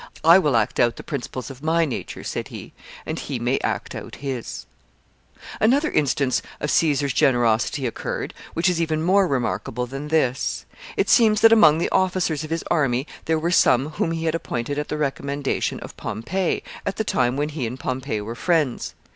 "I will act out the principles of my nature," said he, "and he may act out his." [Sidenote: Caesar's generosity.] Another instance of Caesar's generosity occurred, which is even more remarkable than this. It seems that among the officers of his army there were some whom he had appointed at the recommendation of Pompey, at the time when he and Pompey were friends.